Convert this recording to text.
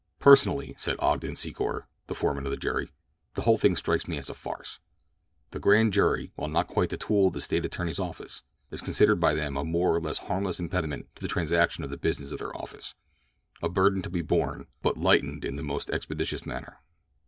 "Personally," said Ogden Secor, the foreman of the jury, "the whole thing strikes me as a farce. The grand jury, while not quite the tool of the State attorney's office, is considered by them a more or less harmless impediment to the transaction of the business of their office—a burden to be borne, but lightened in the most expeditious manner.